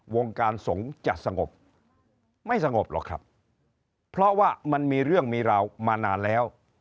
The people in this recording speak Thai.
วงการสงฆ์จะสงบไม่สงบหรอกครับเพราะว่ามันมีเรื่องมีราวมานานแล้ว